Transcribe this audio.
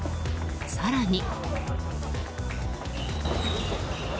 更に。